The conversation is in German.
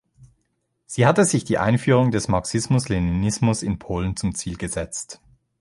Sie hatte sich die Einführung des Marxismus-Leninismus in Polen zum Ziel gesetzt.